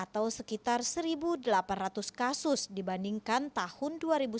atau sekitar satu delapan ratus kasus dibandingkan tahun dua ribu sembilan belas